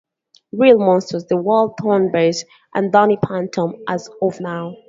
Real Monsters", "The Wild Thornberrys" and "Danny Phantom" as of now.